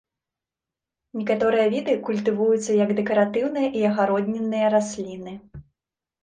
Некаторыя віды культывуюцца як дэкаратыўныя і агароднінныя расліны.